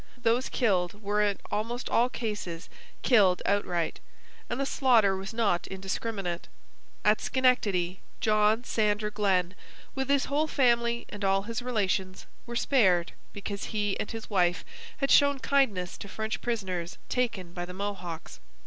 Those killed were in almost all cases killed outright, and the slaughter was not indiscriminate. At Schenectady John Sander Glen, with his whole family and all his relations, were spared because he and his wife had shown kindness to French prisoners taken by the Mohawks.